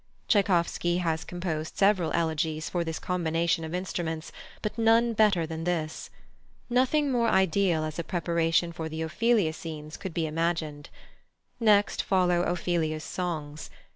Tschaikowsky has composed several elegies for this combination of instruments, but none better than this. Nothing more ideal as preparation for the Ophelia scenes could be imagined. Next follow Ophelia's songs.